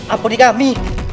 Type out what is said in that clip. apa di kami